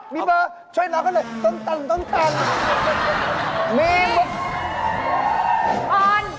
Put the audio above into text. มีเบอร์ช่วงนนั้น